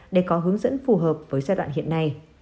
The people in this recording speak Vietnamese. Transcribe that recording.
để có hướng dẫn phù hợp với giai đoạn hiện nay